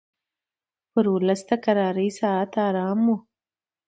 پر اولس د کرارۍ ساعت حرام وو